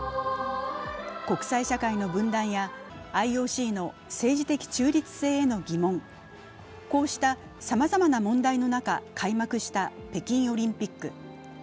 国際社会の分断やＩＯＣの政治的中立性への疑問、こうしたさまざまな問題の中、開幕した北京オリンピック。